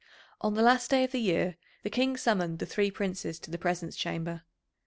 "] On the last day of the year the King summoned the three Princes to the Presence Chamber.